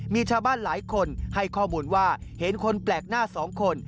มีชาวบ้านหลายคนให้ข้อมูลว่าเห็นคนแปลกหน้าสองคน